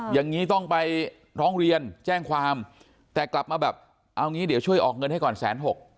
อย่างนี้ต้องไปร้องเรียนแจ้งความแต่กลับมาแบบเอางี้เดี๋ยวช่วยออกเงินให้ก่อนแสนหก